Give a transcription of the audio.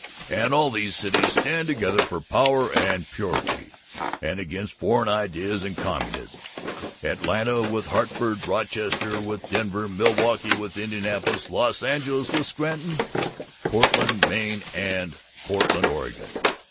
And all these cities stand together for power and purity, and against foreign ideas and communism Atlanta with Hartford, Rochester with Denver, Milwaukee with Indianapolis, Los Angeles with Scranton, Portland, Maine, with Portland, Oregon.